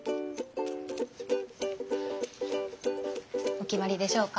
お決まりでしょうか。